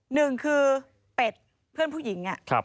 หนึ่งคือเป็ดเพื่อนผู้หญิง